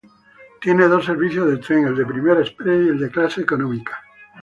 Tiene dos servicios de tren, el de Primera Express y el de Clase Económica.